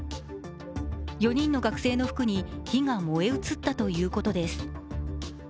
４人の学生の服に火が燃え移ったということです。